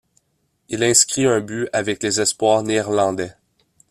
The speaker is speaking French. Il inscrit un but avec les espoirs néerlandais.